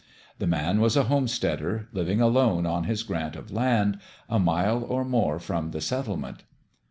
The man was a home steader, living alone on his grant of land, a mile or more from the settlement.